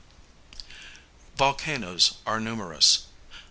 Volcanoes are numerous.